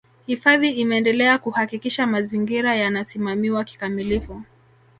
Hifadhi imeendelea kuhakikisha mazingira yanasimamiwa kikamilifu